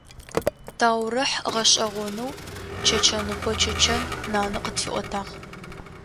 Таурыхь гъэшӏэгъонэу «Чэчэныкъо Чэчэн» нанэ къытфиӏотагъ.